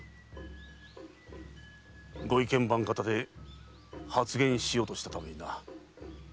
御意見番方で発言しようとしたためにな。